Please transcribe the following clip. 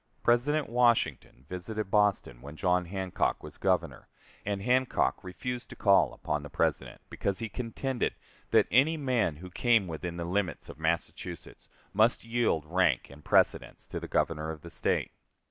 President Washington visited Boston when John Hancock was Governor, and Hancock refused to call upon the President, because he contended that any man who came within the limits of Massachusetts must yield rank and precedence to the Governor of the State.